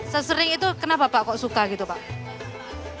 sesering itu kenapa pak kok suka gitu pak